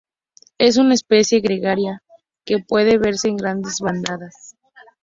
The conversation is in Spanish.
Es una especie gregaria que puede verse en grandes bandadas.